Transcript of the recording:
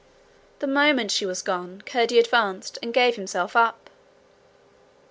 The moment she was gone, Curdie advanced and gave himself up.